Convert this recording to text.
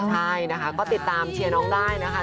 ใช่นะคะก็ติดตามเชียร์น้องได้นะคะ